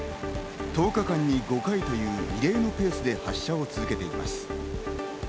１０日間に５回という異例のペースで発射を続けています。